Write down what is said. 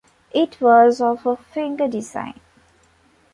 It was of a "finger design".